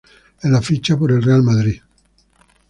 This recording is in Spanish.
En la ficha por el Real Madrid.